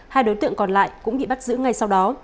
hai đối tượng còn lại cũng bị bắt giữ ngay sau đó